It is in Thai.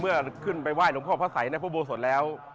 เมื่อขึ้นไปไหว้หลวงพ่อพระสัยในพระโบสถแล้ว